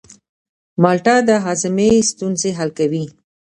مالټه د هاضمې ستونزې حل کوي.